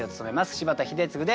柴田英嗣です。